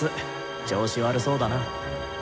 調子悪そうだな。